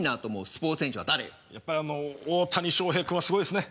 やっぱり大谷翔平君はすごいですね。